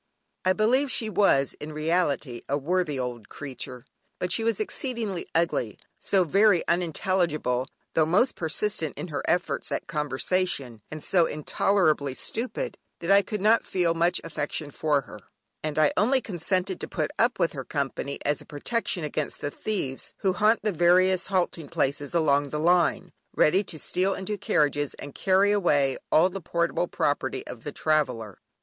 I believe she was in reality a worthy old creature, but she was so exceedingly ugly, so very unintelligible (though most persistent in her efforts at conversation) and so intolerably stupid, that I could not feel much affection for her, and I only consented to put up with her company as a protection against the thieves who haunt the various halting places along the line, ready to steal into carriages and carry away all the portable property of the traveller.